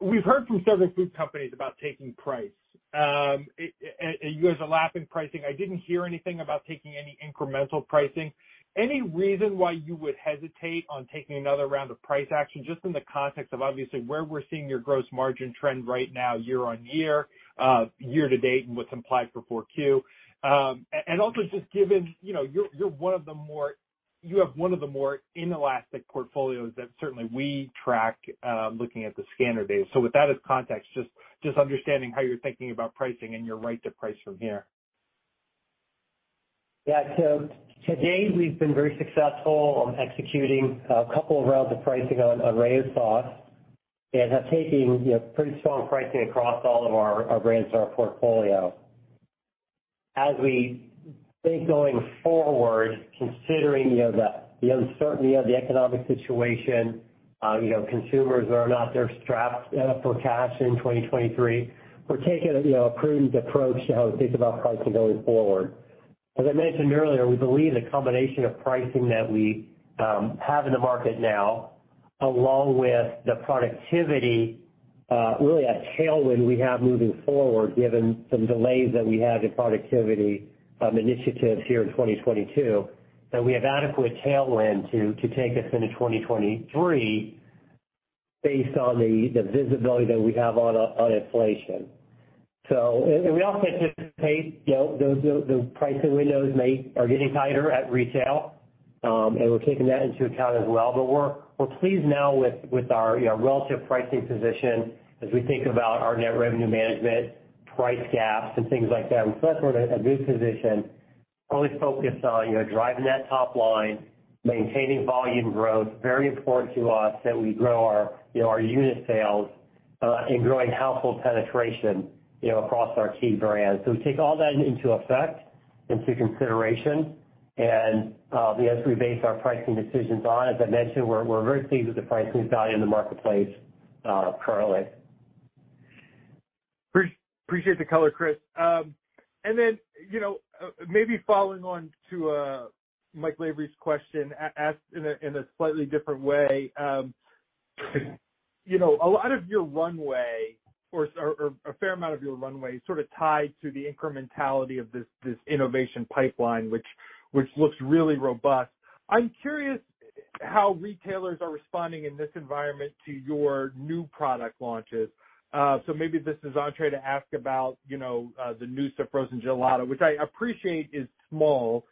We've heard from several food companies about taking price. You guys are lapping pricing. I didn't hear anything about taking any incremental pricing. Any reason why you would hesitate on taking another round of price action, just in the context of obviously where we're seeing your gross margin trend right now year-over-year, year-to-date, and what's implied for 4Q? Also just given, you know, you have one of the more inelastic portfolios that certainly we track, looking at the scanner data. With that as context, just understanding how you're thinking about pricing and your right to price from here. Yeah. To date, we've been very successful on executing a couple of rounds of pricing on Rao's sauce and have taken, you know, pretty strong pricing across all of our brands in our portfolio. As we think going forward, considering, you know, the uncertainty of the economic situation, you know, consumers are strapped for cash in 2023. We're taking a, you know, a prudent approach to how we think about pricing going forward. As I mentioned earlier, we believe the combination of pricing that we have in the market now, along with the productivity, really a tailwind we have moving forward, given some delays that we had in productivity initiatives here in 2022, that we have adequate tailwind to take us into 2023 based on the visibility that we have on inflation. And we also anticipate, you know, those the pricing windows are getting tighter at retail, and we're taking that into account as well. We're pleased now with our, you know, relative pricing position as we think about our Net Revenue Management, price gaps and things like that. We feel like we're in a good position, fully focused on, you know, driving that top line, maintaining volume growth. Very important to us that we grow our, you know, our unit sales and growing household penetration, you know, across our key brands. We take all that into consideration and, you know, as we base our pricing decisions on. As I mentioned, we're very pleased with the pricing value in the marketplace currently. Appreciate the color, Chris. You know, maybe following on to Mike Lavery's question asked in a slightly different way. You know, a lot of your runway or a fair amount of your runway sort of tied to the incrementality of this innovation pipeline, which looks really robust. I'm curious how retailers are responding in this environment to your new product launches. Maybe this is entrée to ask about, you know, the Noosa frozen gelato, which I appreciate is small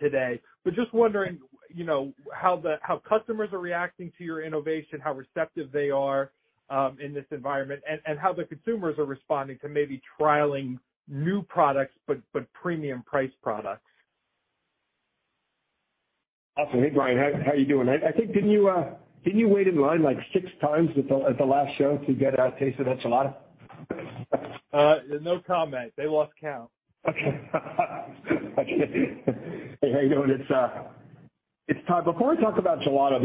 today. Just wondering, you know, how customers are reacting to your innovation, how receptive they are in this environment, and how the consumers are responding to maybe trialing new products, but premium priced products. Awesome. Hey, Brian, how you doing? I think, didn't you wait in line like six times at the last show to get a taste of that gelato? No comment. They lost count. Okay. Hey, how you doing? It's Todd. Before I talk about gelato,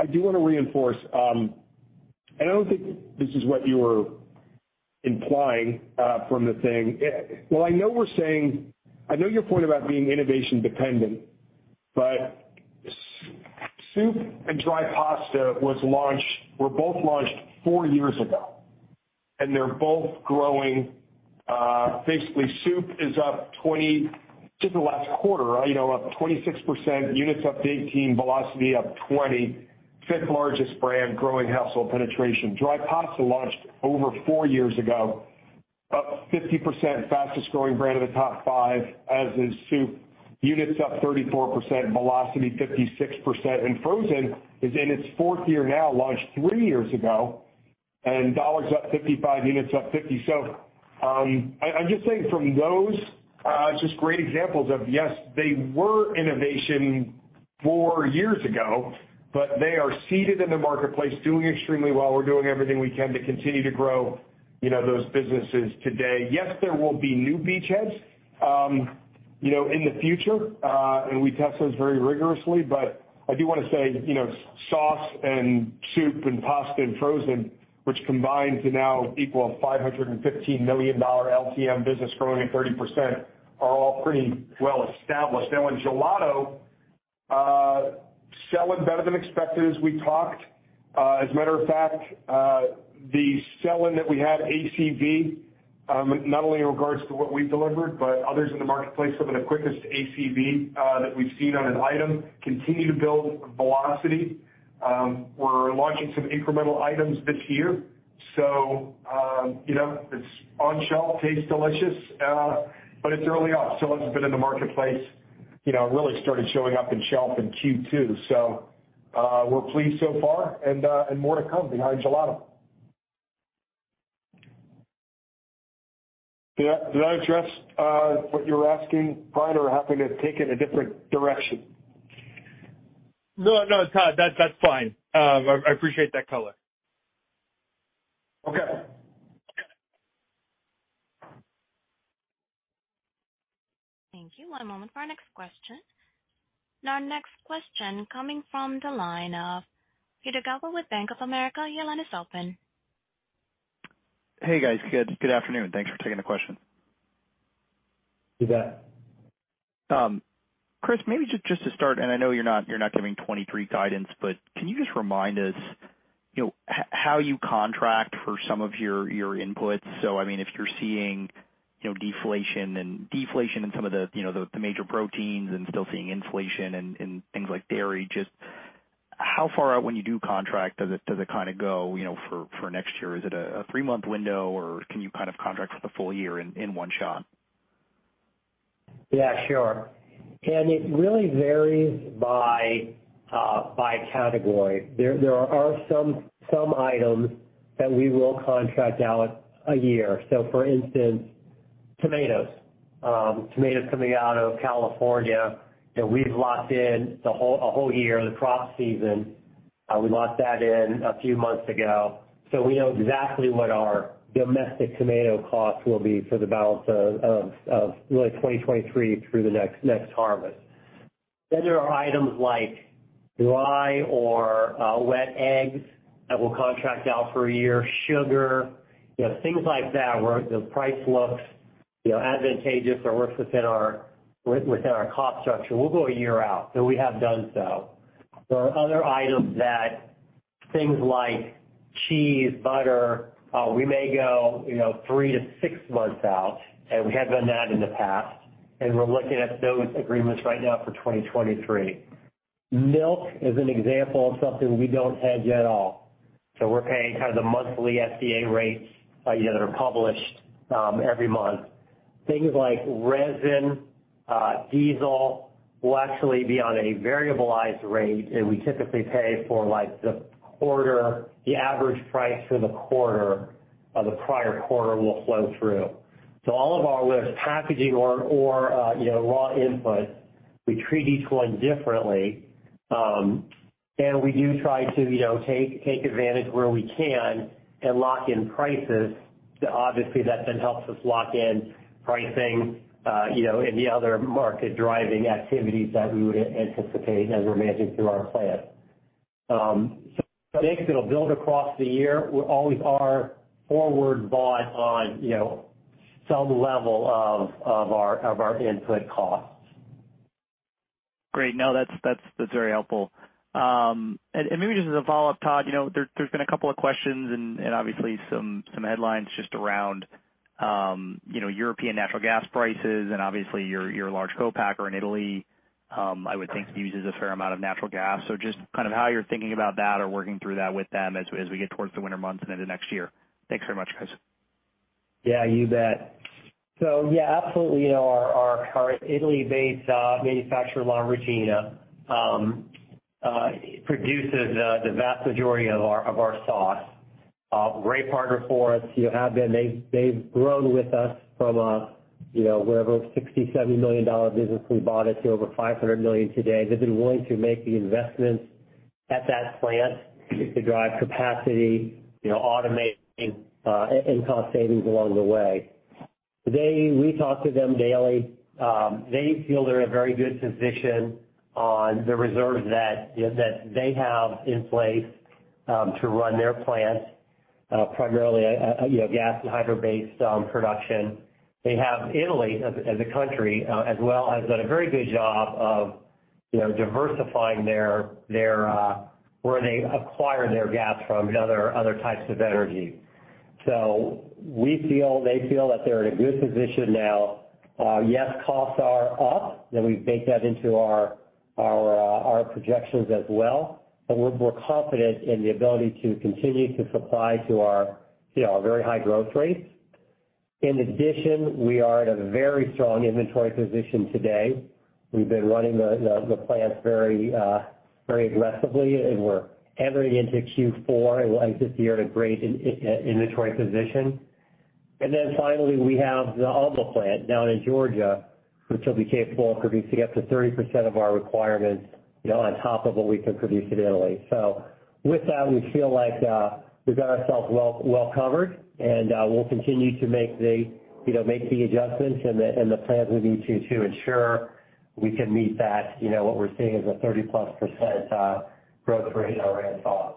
I do wanna reinforce, and I don't think this is what you were implying, from the thing. I know your point about being innovation dependent, but soup and dry pasta were both launched four years ago, and they're both growing. Basically soup is up 20, just in the last quarter, you know, up 26%, units up 18, velocity up 20, fifth largest brand, growing household penetration. Dry pasta launched over four years ago, up 50%, fastest growing brand of the top five. As is soup, units up 34%, velocity 56%. Frozen is in its fourth year now, launched three years ago, and dollars up 55, units up 50. I'm just saying from those, just great examples of, yes, they were innovation four years ago, but they are seeded in the marketplace doing extremely well. We're doing everything we can to continue to grow, you know, those businesses today. Yes, there will be new beachheads, you know, in the future, and we test those very rigorously. I do wanna say, you know, sauce and soup and pasta and frozen, which combine to now equal a $515 million LTM business growing at 30%, are all pretty well established. Now in gelato, sell in better than expected as we talked. As a matter of fact, the sell-in that we had ACV, not only in regards to what we delivered, but others in the marketplace, some of the quickest ACV that we've seen on an item, continue to build velocity. We're launching some incremental items this year, so you know, it's on shelf, tastes delicious, but it's early on. Sell-ins have been in the marketplace, you know, really started showing up in shelf in Q2. We're pleased so far and more to come behind gelato. Did I address what you were asking, Brian? Or happy to take it a different direction. No, no, Todd, that's fine. I appreciate that color. Okay. Thank you. One moment for our next question. Our next question coming from the line of Peter Galbo with Bank of America. Your line is open. Hey, guys. Good afternoon. Thanks for taking the question. You bet. Chris, maybe just to start, and I know you're not giving 2023 guidance, but can you just remind us, you know, how you contract for some of your inputs? I mean, if you're seeing, you know, deflation in some of the, you know, the major proteins and still seeing inflation in things like dairy, just how far out when you do contract does it kinda go, you know, for next year? Is it a 3-month window, or can you kind of contract for the full year in one shot? Yeah, sure. It really varies by category. There are some items that we will contract out a year. For instance, tomatoes. Tomatoes coming out of California that we've locked in a whole year, the crop season, we locked that in a few months ago. We know exactly what our domestic tomato costs will be for the balance of really 2023 through the next harvest. There are items like dry or wet eggs that we'll contract out for a year, sugar, you know, things like that where the price looks, you know, advantageous or works within our cost structure. We'll go a year out, and we have done so. There are other items that things like cheese, butter, we may go, you know, 3-6 months out, and we have done that in the past, and we're looking at those agreements right now for 2023. Milk is an example of something we don't hedge at all, so we're paying kind of the monthly FDA rates, you know, that are published every month. Things like resin, diesel will actually be on a variable rate, and we typically pay for like the quarter, the average price for the quarter of the prior quarter will flow through. So all of our list, packaging or, you know, raw input, we treat each one differently. We do try to, you know, take advantage where we can and lock in prices. Obviously, that then helps us lock in pricing, you know, any other market driving activities that we would anticipate as we're managing through our plan. I think it'll build across the year. We always are forward bought on, you know, some level of our input costs. Great. No, that's very helpful. Maybe just as a follow-up, Todd, you know, there's been a couple of questions and obviously some headlines just around, you know, European natural gas prices and obviously your large co-packer in Italy, I would think uses a fair amount of natural gas. So just kind of how you're thinking about that or working through that with them as we get towards the winter months and into next year. Thanks very much, guys. Yeah, you bet. Yeah, absolutely. You know, our current Italy-based manufacturer, La Regina, produces the vast majority of our sauce. Great partner for us. You know, have been. They've grown with us from wherever $60-$70 million business we bought it to over $500 million today. They've been willing to make the investments at that plant to drive capacity, you know, automating and cost savings along the way. They. We talk to them daily. They feel they're in a very good position on the reserves that they have in place to run their plant, primarily gas and hydro-based production. Italy as a country as well has done a very good job of, you know, diversifying where they acquire their gas from and other types of energy. We feel they feel that they're in a good position now. Yes, costs are up, and we bake that into our projections as well. We're confident in the ability to continue to supply to our, you know, our very high growth rates. In addition, we are at a very strong inventory position today. We've been running the plants very aggressively, and we're entering into Q4, and we'll exit the year at a great inventory position. Then finally, we have the Alma plant down in Georgia, which will be capable of producing up to 30% of our requirements, you know, on top of what we can produce in Italy. With that, we feel like we've got ourselves well covered, and we'll continue to make the, you know, adjustments and the plans we need to ensure we can meet that, you know, what we're seeing as a 30%+ growth rate on Rao's sauce.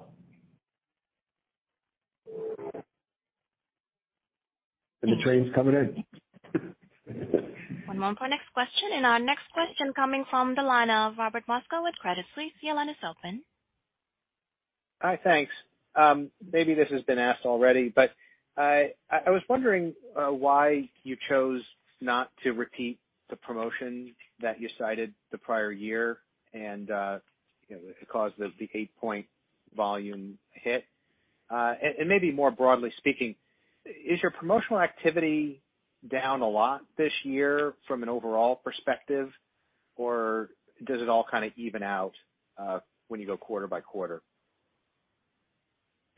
The train's coming in. One moment for our next question, and our next question coming from the line of Robert Moskow with Credit Suisse. Your line is open. Hi. Thanks. Maybe this has been asked already, but I was wondering why you chose not to repeat the promotion that you cited the prior year and, you know, it caused the eight-point volume hit. Maybe more broadly speaking, is your promotional activity down a lot this year from an overall perspective, or does it all kinda even out when you go quarter by quarter?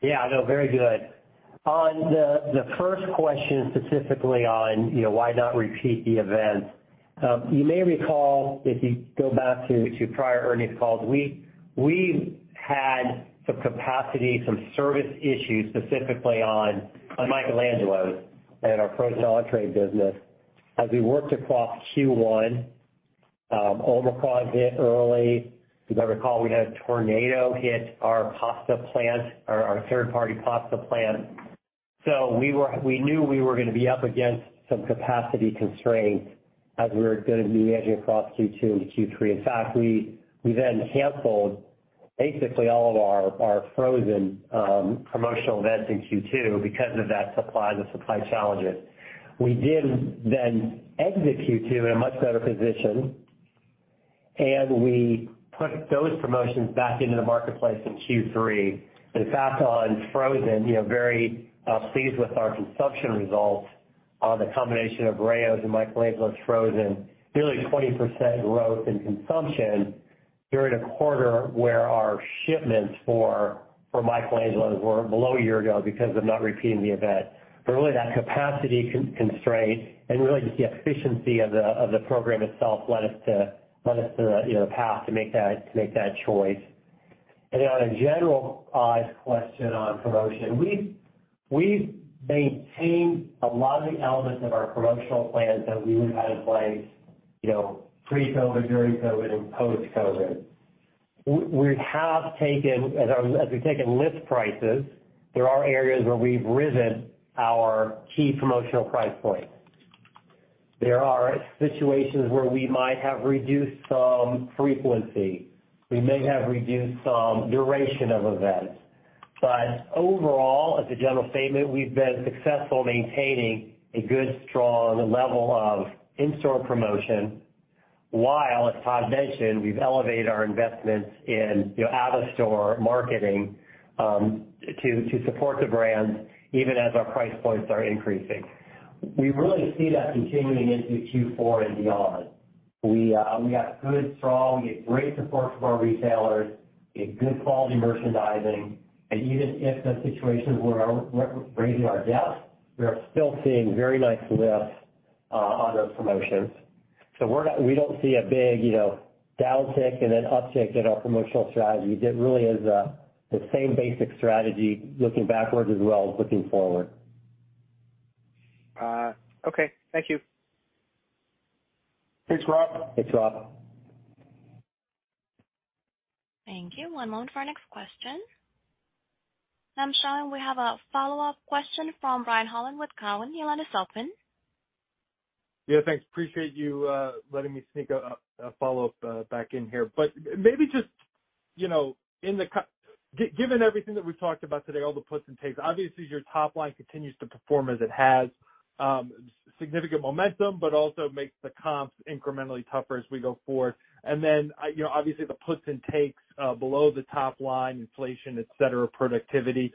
Yeah, no, very good. On the first question specifically on, you know, why not repeat the event. You may recall if you go back to prior earnings calls, we had some capacity, some service issues specifically on Michael Angelo's and our frozen entrée business. As we worked across Q1, Omicron hit early. You gotta recall we had a tornado hit our pasta plant, or our third-party pasta plant. We knew we were gonna be up against some capacity constraints as we were gonna be edging across Q2 into Q3. In fact, we then canceled basically all of our frozen promotional events in Q2 because of the supply challenges. We did then exit Q2 in a much better position, and we put those promotions back into the marketplace in Q3. In fact, on frozen, very pleased with our consumption results on the combination of Rao's and Michael Angelo's frozen. Nearly 20% growth in consumption during a quarter where our shipments for Michael Angelo's were below year-ago because of not repeating the event. Really that capacity constraint and really just the efficiency of the program itself led us to the path to make that choice. On a general question on promotion, we've maintained a lot of the elements of our promotional plans that we would have in place pre-COVID, during COVID, and post-COVID. We have taken, as we've taken list prices, there are areas where we've risen our key promotional price points. There are situations where we might have reduced some frequency. We may have reduced some duration of events. Overall, as a general statement, we've been successful maintaining a good, strong level of in-store promotion, while, as Todd mentioned, we've elevated our investments in, you know, out-of-store marketing, to support the brands even as our price points are increasing. We really see that continuing into Q4 and beyond. We get great support from our retailers. We get good quality merchandising. Even as we're raising our prices, we are still seeing very nice lifts on those promotions. We don't see a big, you know, downtick and then uptick in our promotional strategy. It really is the same basic strategy looking backwards as well as looking forward. Okay. Thank you. Thanks, Rob. Thanks, Rob. Thank you. One moment for our next question. Sean, we have a follow-up question from Brian Holland with Cowen. Your line is open. Yeah, thanks. Appreciate you letting me sneak a follow-up back in here. Maybe just, you know, given everything that we've talked about today, all the puts and takes, obviously your top line continues to perform as it has, significant momentum, but also makes the comps incrementally tougher as we go forward. You know, obviously the puts and takes below the top line, inflation, et cetera, productivity.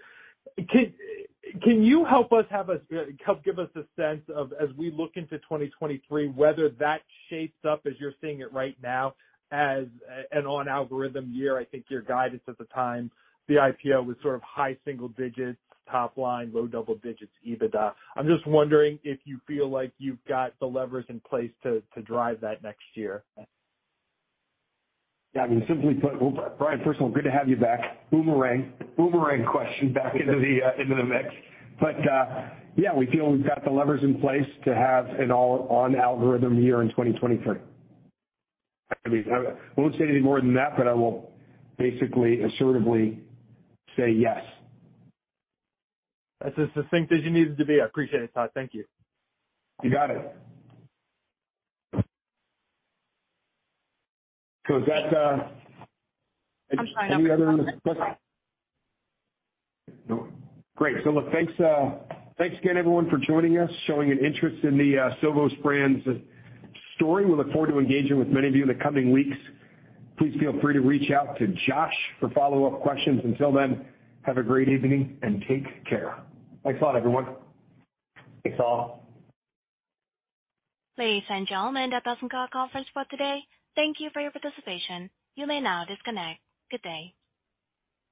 Can you help give us a sense of, as we look into 2023, whether that shapes up as you're seeing it right now as an on-algorithm year? I think your guidance at the time the IPO was sort of high single digits top line, low double digits EBITDA. I'm just wondering if you feel like you've got the levers in place to drive that next year? Yeah, I mean, simply put, well, Brian, first of all, good to have you back. Boomerang, boomerang question back into the mix. Yeah, we feel we've got the levers in place to have an all on-algorithm year in 2023. I mean, I won't say any more than that, but I will basically assertively say yes. That's as succinct as you need it to be. I appreciate it, Todd. Thank you. You got it. Is that. I'm sorry. No. Great. Look, thanks again everyone for joining us, showing an interest in the Sovos Brands story. We look forward to engaging with many of you in the coming weeks. Please feel free to reach out to Josh for follow-up questions. Until then, have a great evening and take care. Thanks a lot, everyone. Thanks, all. Ladies and gentlemen, that does end our conference for today. Thank you for your participation. You may now disconnect. Good day.